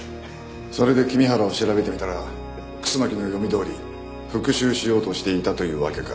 それで君原を調べてみたら楠木の読みどおり復讐しようとしていたというわけか。